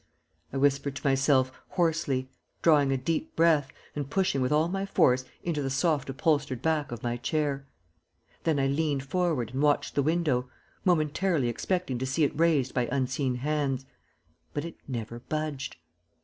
I whispered to myself, hoarsely, drawing a deep breath, and pushing with all my force into the soft upholstered back of my chair. Then I leaned forward and watched the window, momentarily expecting to see it raised by unseen hands; but it never budged.